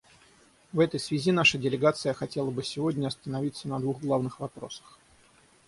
В этой связи наша делегация хотела бы сегодня остановиться на двух главных вопросах.